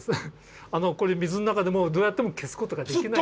これ水の中でもどうやっても消すことができない。